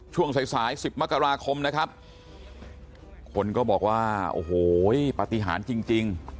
ช่วงสายสาย๑๐มกราคมนะครับคนก็บอกว่าโอ้โหปฏิหารจริง